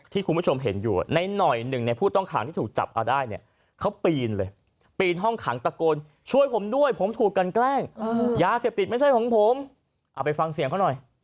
ที่คุมภาษาชมมั่นเห็นอยู่